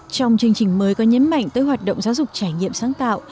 trong chương trình mới có nhấn mạnh tới hoạt động giáo dục trải nghiệm sáng tạo